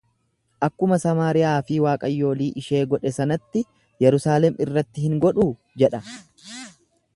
Akkuma Samaariyaa fi waaqayyolii ishee godhe sanatti Yerusaalem irratti hin godhuu? jedha.